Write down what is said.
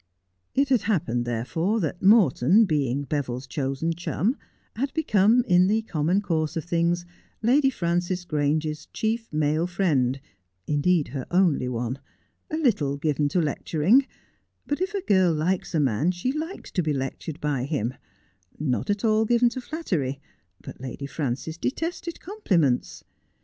It had happened, therefore, that Morton, being Beville's chosen chum, had become, in the common course of things, Lady Frances Grange's chief male friend — indeed, her only one — a little given to lecturing ; but if a girl likes a man she likes to be lectured by him ; not at all given to flattery ; but Lady Frances detested compliments.